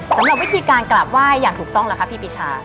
สำหรับวิธีการกลับว่ายอย่างถูกต้องหรือพี่พิชา